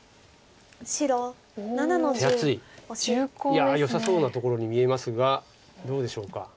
いやよさそうなところに見えますがどうでしょうか。